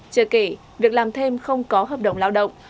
chưa kể việc làm thêm không có hợp đồng lao động